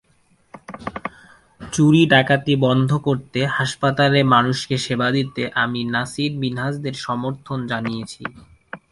চুরি–ডাকাতি বন্ধ করতে, হাসপাতালে মানুষকে সেবা দিতে আমি নাসির-মিনহাজদের সমর্থন জানিয়েছি।